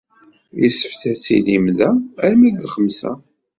Yessefk ad tilim da arma d lxemsa.